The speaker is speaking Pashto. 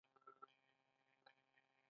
په دې کمپ کې د جګړې ټول تکتیکونه ښودل کېدل